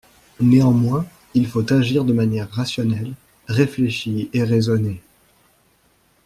Néanmoins, il faut agir de manière rationnelle, réfléchie et raisonnée.